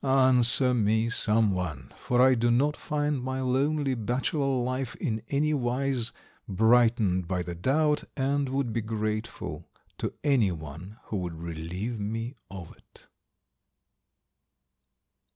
Answer me, some one, for I do not find my lonely bachelor life in any wise brightened by the doubt, and would be grateful to any one who would relieve me of it.